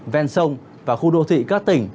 ven sông và khu đô thị các tỉnh